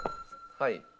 はい。